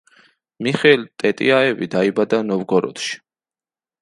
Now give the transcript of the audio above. მიხეილ ტეტიაევი დაიბადა ნოვგოროდში.